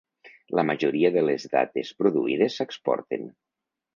La majoria de les dates produïdes s'exporten.